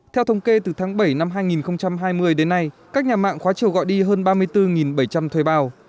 theo thông kê từ tháng bảy năm hai nghìn hai mươi đến nay các nhà mạng khóa chiều gọi đi hơn ba mươi bốn bảy trăm linh thuê bao